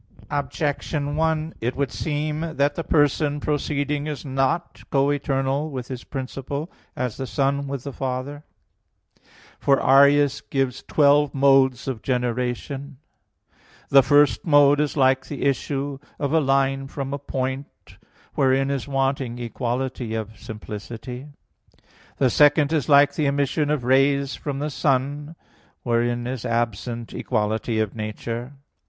Objection 1: It would seem that the person proceeding is not co eternal with His principle, as the Son with the Father. For Arius gives twelve modes of generation. The first mode is like the issue of a line from a point; wherein is wanting equality of simplicity. The second is like the emission of rays from the sun; wherein is absent equality of nature.